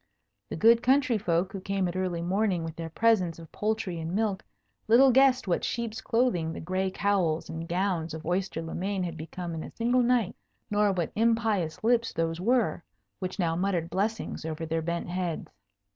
The good country folk, who came at early morning with their presents of poultry and milk, little guessed what sheep's clothing the gray cowls and gowns of Oyster le Main had become in a single night, nor what impious lips those were which now muttered blessings over their bent heads.